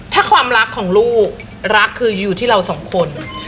ถ้าความรักของลูกรักคืออยู่ที่เราสองคน